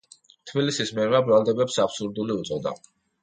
თბილისის მერმა ბრალდებებს აბსურდული უწოდა.